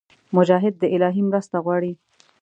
مجاهد د الهي مرسته غواړي.